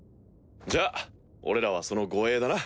じゃあ俺らはその護衛だな。